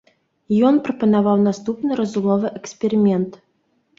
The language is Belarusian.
Ён прапанаваў наступны разумовы эксперымент.